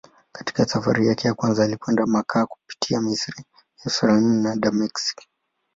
Katika safari yake ya kwanza alikwenda Makka kupitia Misri, Yerusalemu na Dameski.